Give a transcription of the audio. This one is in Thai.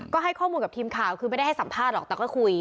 ก็ให้ข้อมูลกับทีมข่าวคือไม่ได้ให้สัมภาษณ์หรอกแต่ก็คุย